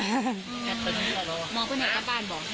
มองเพื่อนให้กลับบ้านบ่